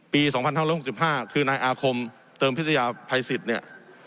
ปีสองพันห้าร้อยหกสิบห้าคือนายอาคมเติมพิทยาภัยสิทธิ์เนี่ย